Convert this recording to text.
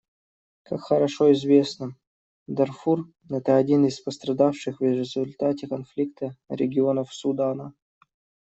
Как хорошо известно, Дарфур — это один из пострадавших в результате конфликта регионов Судана.